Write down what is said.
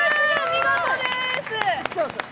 見事です！